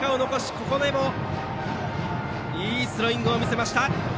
ここでも、いいスローイングを見せました。